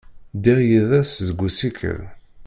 Ddiɣ yid-s deg usikel.